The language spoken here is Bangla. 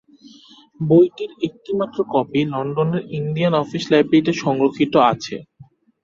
বইটির একটি মাত্র কপি লন্ডনের ইন্ডিয়া অফিস লাইব্রেরীতে সংরক্ষিত আছে।